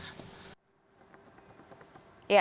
saya akan ke mas fadli sekali